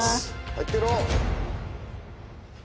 入ってろ！